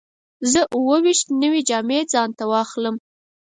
زه اووه ویشت نوې جامې ځان ته واخلم.